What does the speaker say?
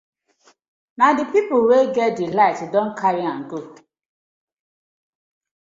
Na di pipus wey get di light don karry am go.